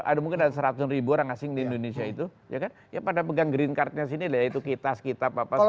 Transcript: ada mungkin ada seratus ribu orang asing di indonesia itu ya kan ya pada pegang green cardnya sini lah yaitu kitas kitab apa segala macam